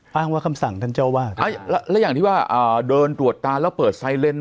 อ้างว่าคำสั่งท่านเจ้าวาดแล้วอย่างที่ว่าเดินตรวจตาแล้วเปิดไซเลน